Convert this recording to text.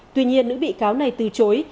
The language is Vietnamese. tuy nhiên nữ bị cáo này từ chối